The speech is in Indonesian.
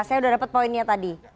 saya sudah dapat poinnya tadi